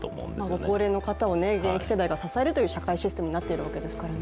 ご高齢の方を現役世代が支えるという社会システムになっているわけですからね。